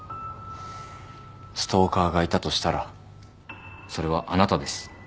ストーカーがいたとしたらそれはあなたです。